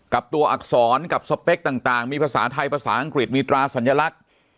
กับตัวอักษรกับสเปคต่างมีภาษาไทยภาษาอังกฤษมีตราสัญลักษณ์